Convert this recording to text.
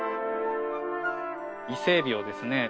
伊勢エビをですね